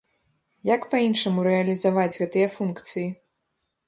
Як па-іншаму рэалізаваць гэтыя функцыі?